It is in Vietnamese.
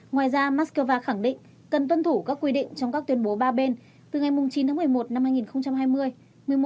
ngoài ra moscow khẳng định cần tuân thủ các quy định trong các tuyên bố ba bên từ ngày chín tháng một mươi một năm hai nghìn hai mươi